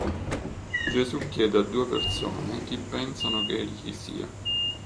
Gesù chiede a due persone chi pensano che egli sia.